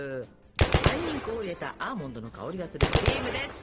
杏仁粉を入れたアーモンドの香りがするクリームです。